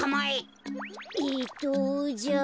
えっとじゃあ。